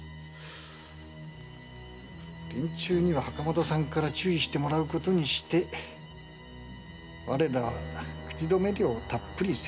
連中には袴田さんから注意してもらうことにして我らは口止め料をたっぷりせしめて。